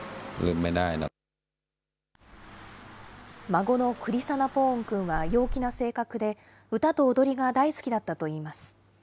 孫のクリサナポーンくんは陽気な性格で、歌と踊りが大好きだったといいます。